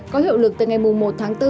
có hiệu lực từ ngày một tháng bốn